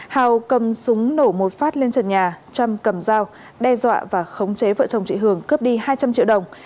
hào cầm súng nổ một phát lên trần nhà trâm cầm dao đe dọa và khống chế vợ chồng chị hường cướp đi hai trăm linh triệu đồng